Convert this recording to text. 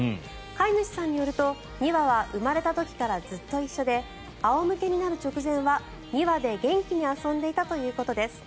飼い主さんによると２羽は生まれた時からずっと一緒で仰向けになる直前は２羽で元気に遊んでいたということです。